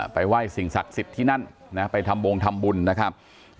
ไหว้สิ่งศักดิ์สิทธิ์ที่นั่นนะไปทำวงทำบุญนะครับ